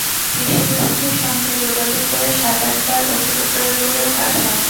কৃষি বিভাগের সঙ্গে যোগাযোগ করে সাত-আটবার ওষুধ প্রয়োগ করেও কাজ হয়নি।